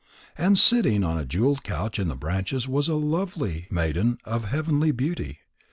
And sitting on a jewelled couch in the branches was a lovely maiden of heavenly beauty.